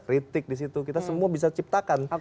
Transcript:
kritik disitu kita semua bisa ciptakan